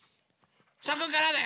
そこからだよ。